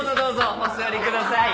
お座りください。